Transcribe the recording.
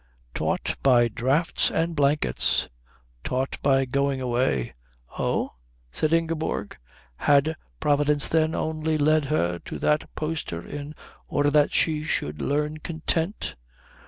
"Taught by draughts and blankets?" "Taught by going away." "Oh?" said Ingeborg. Had Providence then only led her to that poster in order that she should learn content?